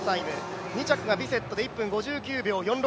２着がビセットで１分５９秒４６。